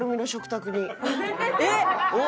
えっ！